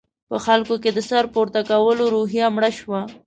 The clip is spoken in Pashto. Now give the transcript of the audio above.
په خلکو کې د سر پورته کولو روحیه مړه شوه.